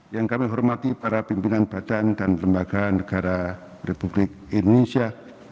yang kami hormati para pimpinan badan dan lembaga negara republik indonesia